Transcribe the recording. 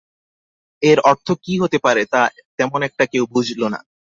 এর অর্থ কী হতে পারে, তা তেমন একটা কেউ বুঝল না।